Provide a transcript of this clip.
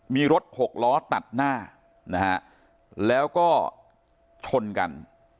มีรถหกล้อตัดหน้านะฮะแล้วก็ชนกัน